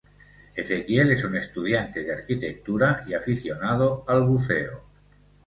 Ezequiel es un estudiante de arquitectura y aficionado al buceo.